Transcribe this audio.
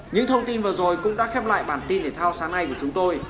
những thông tin vừa rồi cũng đã khép lại bản tin thể thao sáng nay của chúng tôi